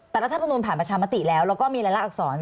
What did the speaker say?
เพราะลัฐบาลทานท์ผ่านประชามัติแล้วแล้วก็มีลายอักษร